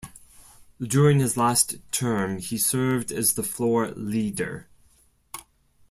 During his last term, he served as the floor leader.